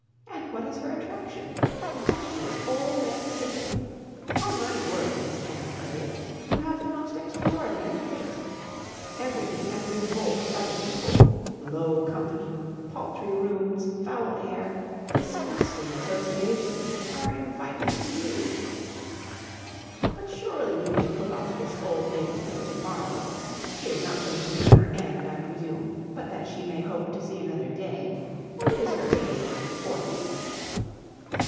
And what is her attraction? That she is old and sickly. Upon my word, Miss Anne Elliot, you have the most extraordinary taste! Everything that revolts other people, low company, paltry rooms, foul air, disgusting associations are inviting to you. But surely you may put off this old lady till to morrow: she is not so near her end, I presume, but that she may hope to see another day. What is her age? Forty?"